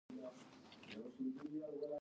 ما وپوښتل: ورموت څښې؟